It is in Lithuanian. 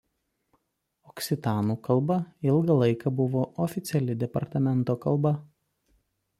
Oksitanų kalba ilgą laiką buvo oficiali departamento kalba.